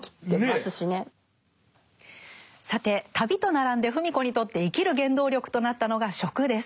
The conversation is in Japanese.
さて旅と並んで芙美子にとって生きる原動力となったのが食です。